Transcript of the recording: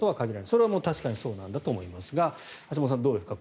それは確かにそうなんだと思いますが橋本さん、どうですか。